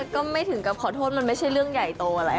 ก็ไม่ถึงกับขอโทษมันไม่ใช่เรื่องใหญ่โตอะไร